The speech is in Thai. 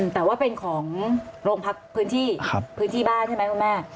แต่ว่าเป็นของโรงพักพื้นที่พื้นที่บ้านใช่ไหมคุณแม่